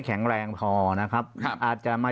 ปากกับภาคภูมิ